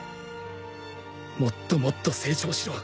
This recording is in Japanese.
もっともっと成長しろ。